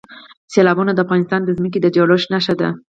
سیلابونه د افغانستان د ځمکې د جوړښت نښه ده.